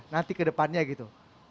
nanti ke depannya gitu